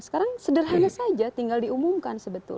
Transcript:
sekarang sederhana saja tinggal diumumkan sebetulnya